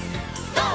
ＧＯ！